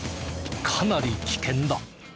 かなり危険だ。